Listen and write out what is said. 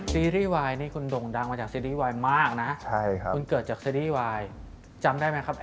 ซีรีส์วายนี่คุณด่งดังมาจากซีรีส์วายมากนะคุณเกิดจากซีรีส์วายจำได้ไหมครับ